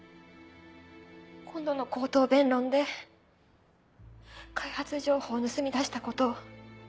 今度の口頭弁論で開発情報を盗み出したことを。